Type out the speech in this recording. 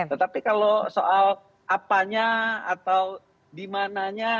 tetapi kalau soal apanya atau dimananya